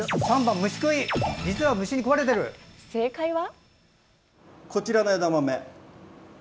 正解は。